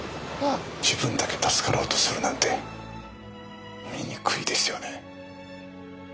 自分だけ助かろうとするなんて醜いですよね。